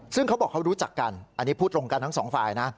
ซึ่งเขาบอกเขารู้จักกันอันนี้พูดตรงกันทั้งสองฝ่ายนะ